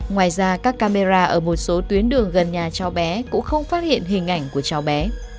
ngoài ra các camera ở một số tuyến đường gần nhà cháu bé cũng không phát hiện hình ảnh của cháu bé